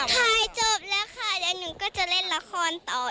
ถ่ายจบแล้วค่ะแต่หนูก็จะเล่นละครต่ออีกค่ะ